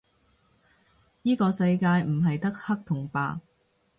依個世界唔係得黑同白